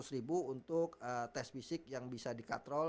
lima ratus ribu untuk tes fisik yang bisa dikatrol